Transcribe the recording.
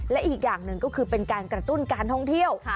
และอีกอย่างหนึ่งก็คือเป็นการกระตุ้นการท่องเที่ยว